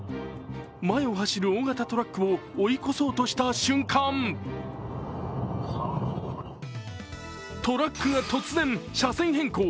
前を走る大型トラックを追い越そうとした瞬間トラックが突然、車線変更。